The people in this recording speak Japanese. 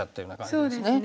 そうですね。